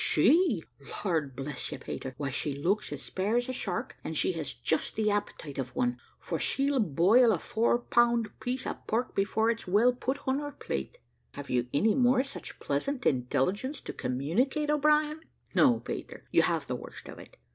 "She! Lord bless you, Peter! why, she looks as spare as a shark, and she has just the appetite of one; for she'll boil a four pound piece of pork before it's well put on her plate." "Have you any more such pleasant intelligence to communicate, O'Brien?" "No, Peter, you have the worst of it.